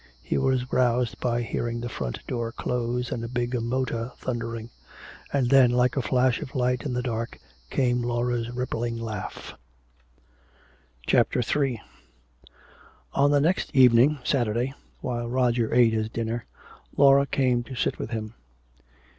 He was roused by hearing the front door close and a big motor thundering. And then like a flash of light in the dark came Laura's rippling laughter. CHAPTER III On the next evening, Saturday, while Roger ate his dinner, Laura came to sit with him.